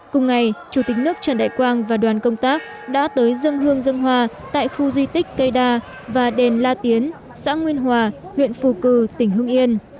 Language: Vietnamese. cùng ngày chủ tịch nước trần đại quang và đoàn công tác đã tới dân hương dân hoa tại khu di tích cây đa và đền la tiến xã nguyên hòa huyện phù cử tỉnh hưng yên